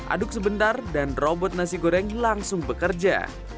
aduk sebentar dan robot nasi goreng langsung bekerja